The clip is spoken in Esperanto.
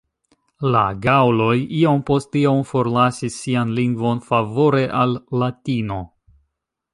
La gaŭloj iom post iom forlasis sian lingvon favore al Latino.